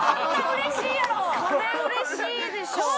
これ嬉しいでしょ。